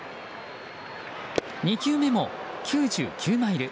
２球目も９９マイル